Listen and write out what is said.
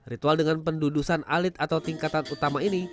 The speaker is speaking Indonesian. ritual dengan pendudusan alit atau tingkatan utama ini